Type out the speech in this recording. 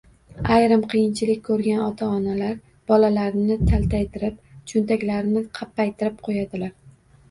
Ayrim qiyinchilik ko’rgan ota-onalar bolalarini taltaytirib, cho‘ntaklarini qappaytirib qo‘yadilar.